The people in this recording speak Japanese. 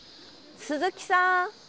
鈴木さん！